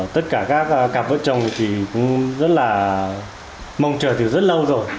tất cả các cặp vợ chồng thì cũng rất là mong chờ từ rất lâu rồi